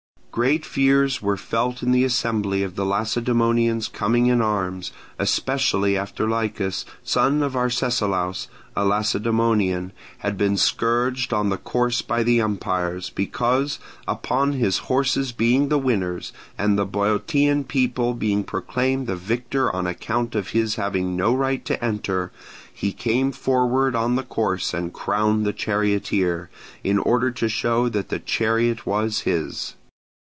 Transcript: Great fears were felt in the assembly of the Lacedaemonians coming in arms, especially after Lichas, son of Arcesilaus, a Lacedaemonian, had been scourged on the course by the umpires; because, upon his horses being the winners, and the Boeotian people being proclaimed the victor on account of his having no right to enter, he came forward on the course and crowned the charioteer, in order to show that the chariot was his.